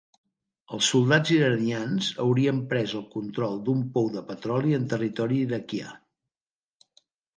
Els soldats iranians haurien pres el control d'un pou de petroli en territori iraquià.